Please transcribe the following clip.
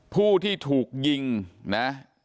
ผู้ที่ถูกยิงนะ